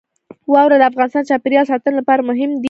واوره د افغانستان د چاپیریال ساتنې لپاره مهم دي.